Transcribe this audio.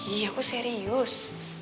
iya aku serius